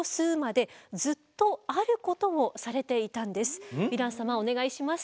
実はヴィラン様お願いします。